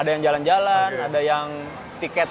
ada yang jalan jalan ada yang tiket